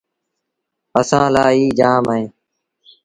اسآݩٚ لآ ايٚ جآم اهي۔